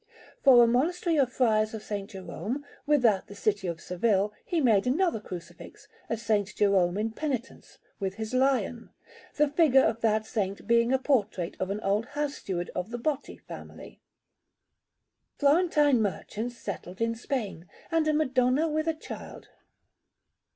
For a monastery of Friars of S. Jerome, without the city of Seville, he made another Crucifix; a S. Jerome in Penitence, with his lion, the figure of that Saint being a portrait of an old house steward of the Botti family, Florentine merchants settled in Spain; and a Madonna with the Child.